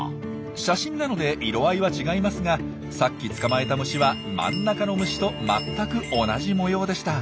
写真なので色合いは違いますがさっき捕まえた虫は真ん中の虫と全く同じ模様でした。